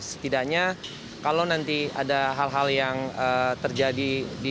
setidaknya kalau nanti ada hal hal yang terjadi di